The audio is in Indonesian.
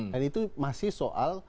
dan itu masih soal